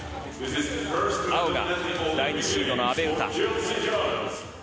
青が第２シードの阿部詩。